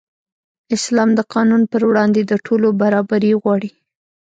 اسلام د قانون پر وړاندې د ټولو برابري غواړي.